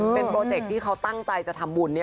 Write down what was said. เป็นโปรเจคที่เขาตั้งใจจะทำบุญ